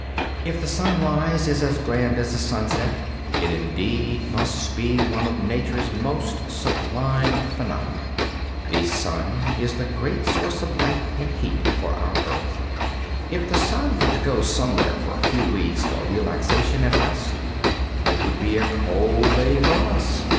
If the sunrise is as grand as the sunset, it indeed must be one of nature's most sublime phenomena. The sun is the great source of light and heat for our earth. If the sun were to go somewhere for a few weeks for relaxation and rest, it would be a cold day for us.